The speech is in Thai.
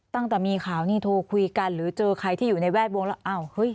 ตั้งแต่มีข่าวนี่โทรคุยกันหรือเจอใครที่อยู่ในแวดวงแล้วอ้าวเฮ้ย